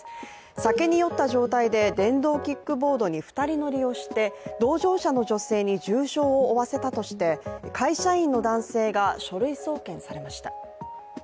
酒に酔った状態で電動キックボードに２人乗りをして同乗者の女性に重傷を負わせたとして会社員の男性が書類送検されました。